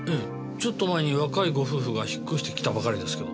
ちょっと前に若いご夫婦が引っ越してきたばかりですけど。